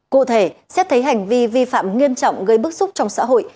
cụ thể xét thấy hành vi vi phạm nghiêm trọng gây bức xúc trong xã hội